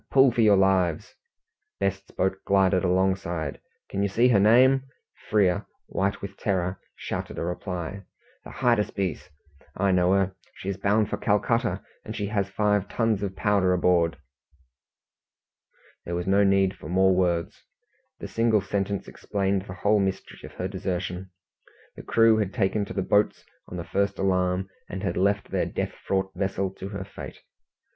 Pull for your lives!" Best's boat glided alongside. "Can you see her name?" Frere, white with terror, shouted a reply. "The Hydaspes! I know her. She is bound for Calcutta, and she has five tons of powder aboard!" There was no need for more words. The single sentence explained the whole mystery of her desertion. The crew had taken to the boats on the first alarm, and had left their death fraught vessel to her fate.